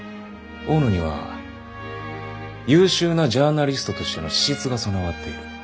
大野には優秀なジャーナリストとしての資質が備わっている。